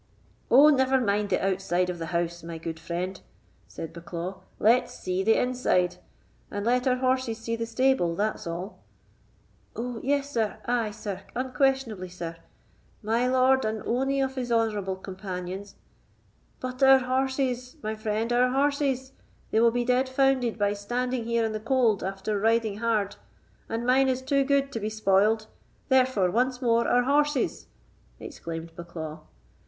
"Oh, never mind the outside of the house, my good friend," said Bucklaw; "let's see the inside, and let our horses see the stable, that's all." "Oh yes, sir—ay, sir—unquestionably, sir—my lord and ony of his honourable companions——" "But our horses, my friend—our horses; they will be dead founded by standing here in the cold after riding hard, and mine is too good to be spoiled; therefore, once more, our horses!" exclaimed Bucklaw.